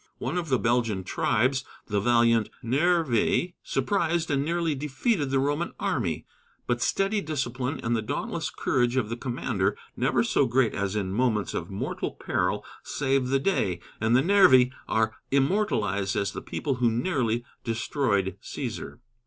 One of the Belgian tribes, the valiant Nervii, surprised and nearly defeated the Roman army. But steady discipline and the dauntless courage of the commander, never so great as in moments of mortal peril, saved the day, and the Nervii are immortalized as the people who nearly destroyed Cæsar.